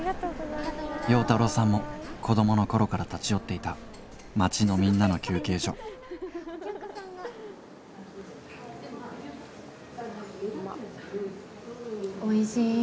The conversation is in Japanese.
要太郎さんも子供の頃から立ち寄っていた町のみんなの休憩所おいしい。